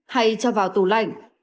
hay cho vào tủ lạnh